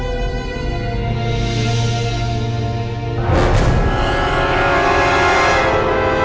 jadi lebih baik ako semakin gampang lah